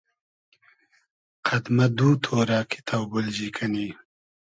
قئد مۂ دو تۉرۂ کی تۆبیلجی کئنی